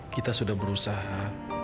kita sudah berusaha